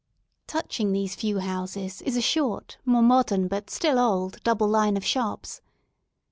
Touching these few houses is a short, more modern but still old, double line of shops.